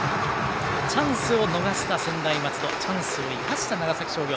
チャンスを逃した専大松戸チャンスを生かした長崎商業。